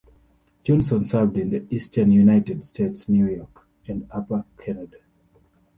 Johnson served in the Eastern United States, New York and Upper Canada.